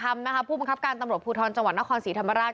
ตอนสอบปากคำผู้บังคับการตำรวจภูทรจังหวัดน้าครศรีธรรมราช